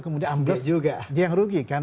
kemudian ambil dia yang rugi kan